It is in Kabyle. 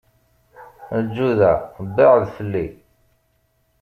Lǧuda baɛed fell-i.